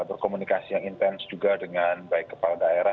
berkomunikasi yang intens juga dengan baik kepala daerah